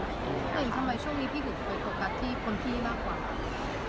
แล้วอย่างนี้ทำไมช่วงนี้พี่สวยสวยกว่ากับที่คนพี่มากกว่า